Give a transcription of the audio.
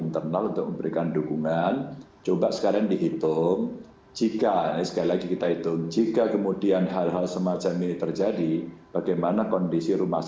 terima kasih pak dir